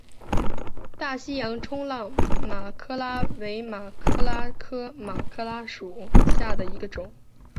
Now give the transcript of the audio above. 大西洋冲浪马珂蛤为马珂蛤科马珂蛤属下的一个种。